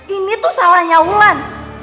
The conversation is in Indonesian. ini tuh salahnya wulan